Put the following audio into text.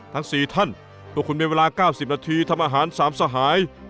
ทั้ง๔ท่านตัวคุณมีเวลา๙๐นาทีทำอาหาร๓สหาย